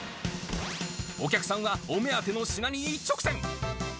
お客さんはお目当ての品に一直線。